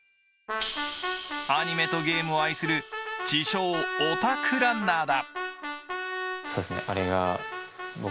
アニメとゲームを愛する自称オタクランナーだ。